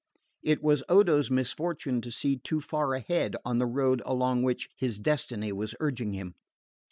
It was Odo's misfortune to see too far ahead on the road along which his destiny was urging him.